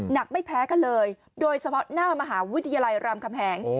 ไม่แพ้กันเลยโดยเฉพาะหน้ามหาวิทยาลัยรามคำแหง